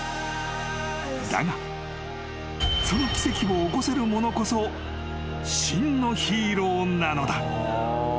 ［だがその奇跡を起こせる者こそ真のヒーローなのだ］